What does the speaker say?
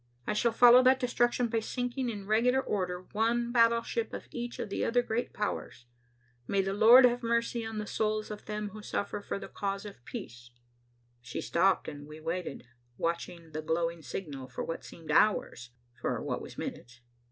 I shall follow that destruction by sinking, in regular order, one battleship of each of the other great powers. May the Lord have mercy on the souls of them who suffer for the cause of peace!" She stopped and we waited, watching the glowing signal for what seemed hours, for what was minutes.